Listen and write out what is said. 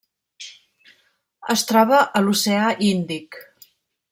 Es troba a l'oceà Índic: